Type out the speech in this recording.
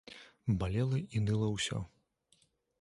Балела і ныла ўсё.